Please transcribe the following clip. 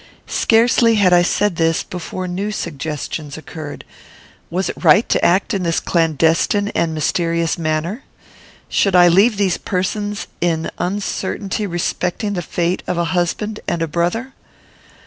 Scarcely had I said this before new suggestions occurred. Was it right to act in this clandestine and mysterious manner? Should I leave these persons in uncertainty respecting the fate of a husband and a brother?